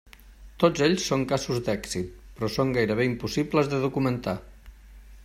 Tots ells són casos d'èxit, però són gairebé impossibles de documentar.